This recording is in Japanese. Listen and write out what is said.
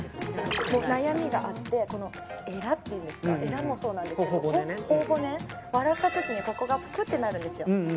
悩みがあってえらっていうんですかえらもそうなんですけど頬骨、笑った時にここがぷくってなるんですよ。